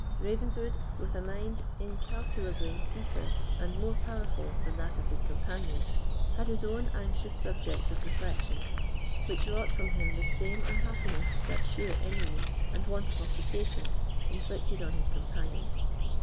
Ravenswood, with a mind incalculably deeper and more powerful than that of his companion, had his own anxious subjects of reflection, which wrought for him the same unhappiness that sheer enui and want of occupation inflicted on his companion.